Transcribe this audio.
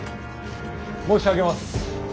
申し上げます。